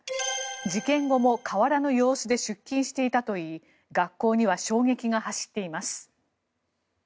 事件後も変わらぬ様子で出勤していたといい学校には衝撃が走っています。